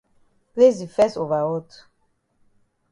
Place di fes over hot.